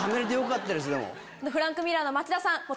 フランクミュラーの町田さん